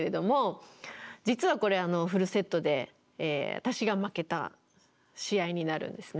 実はこれフルセットで私が負けた試合になるんですね。